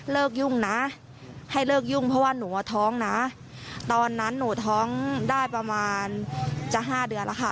ยุ่งนะให้เลิกยุ่งเพราะว่าหนูอ่ะท้องนะตอนนั้นหนูท้องได้ประมาณจะห้าเดือนแล้วค่ะ